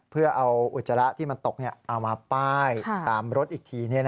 เพื่อเอาอุจจาระที่มันตกเอามาป้ายตามรถอีกที